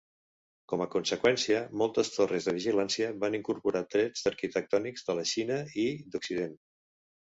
Com a conseqüència, moltes torres de vigilància van incorporar trets arquitectònics de la Xina i d'Occident.